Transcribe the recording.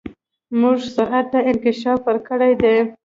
موږ سرعت ته انکشاف ورکړی دی.